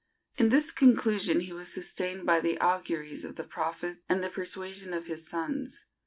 In this conclusion he was sustained by the auguries of the prophets and the persuasion of his sons.